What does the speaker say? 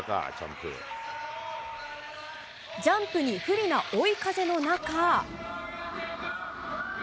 ジャンプに不利な追い風の中。